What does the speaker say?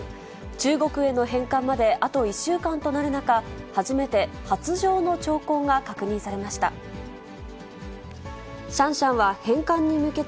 中国への返還まであと１週間となる中、初めて発情の兆候が確認されました。